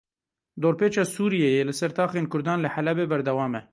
Dorpêça Sûriyeyê li ser taxên Kurdan li Helebê berdewam e.